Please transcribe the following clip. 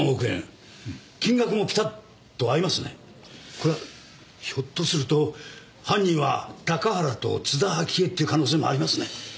これはひょっとすると犯人は高原と津田明江っていう可能性もありますね。